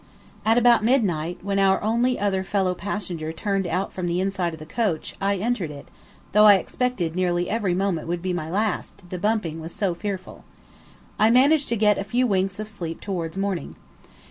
About midnight, when our only other fellow passenger turned out from the inside of the coach, I entered it, though I expected nearly every moment would be my last, the bumping was so fearful. I managed to get a few winks of sleep towards morning.